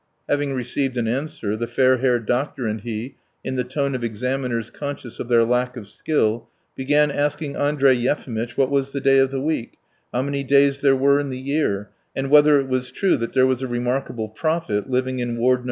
Having received an answer, the fair haired doctor and he, in the tone of examiners conscious of their lack of skill, began asking Andrey Yefimitch what was the day of the week, how many days there were in the year, and whether it was true that there was a remarkable prophet living in Ward No.